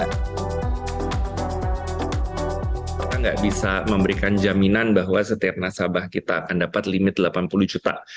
kita tidak bisa memberikan jaminan bahwa setiap nasabah kita akan dapat limit delapan puluh juta